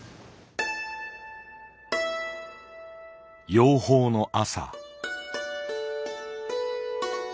養蜂の朝。